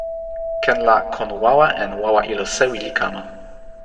ken la kon wawa en wawa ilo sewi li kama.